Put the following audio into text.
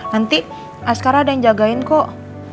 nanti sekarang ada yang jagain kok